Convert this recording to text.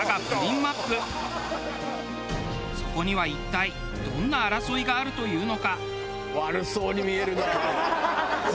そこには一体どんな争いがあるというのか？